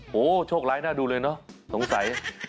โชคร้ายน่าดูเลยเนอะสงสัย